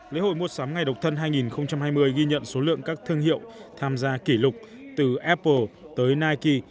lễ hội mua sắm ngày độc thân hai nghìn hai mươi ghi nhận số lượng các thương hiệu tham gia kỷ lục từ apple tới nike